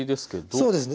そうですね。